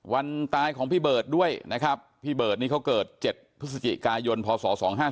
วันตายของพี่เบิร์ตด้วยนะครับพี่เบิร์ตนี้เขาเกิด๗พฤศจิกายนพศ๒๕๖